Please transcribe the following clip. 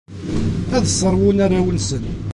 Ad sseṛwun arraw-nsen.